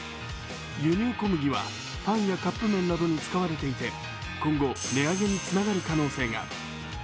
輸入小麦はパンやカップ麺などに使われていて今後、値上げにつながる可能性が。